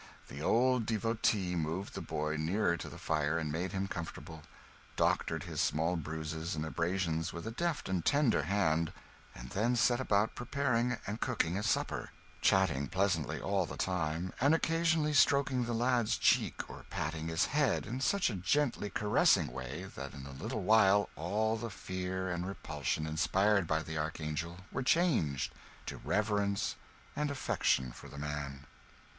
The old devotee moved the boy nearer to the fire and made him comfortable; doctored his small bruises and abrasions with a deft and tender hand; and then set about preparing and cooking a supper chatting pleasantly all the time, and occasionally stroking the lad's cheek or patting his head, in such a gently caressing way that in a little while all the fear and repulsion inspired by the archangel were changed to reverence and affection for the man.